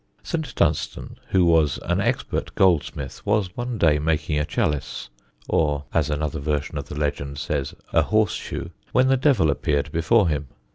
St. Dunstan, who was an expert goldsmith, was one day making a chalice (or, as another version of the legend says, a horseshoe) when the Devil appeared before him.